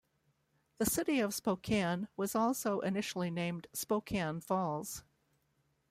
The city of Spokane was also initially named "Spokane Falls".